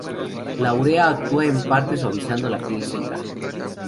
La urea actúa en parte suavizando la piel seca.